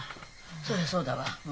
そりゃそうだわ。